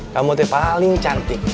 kamu tuh paling cantik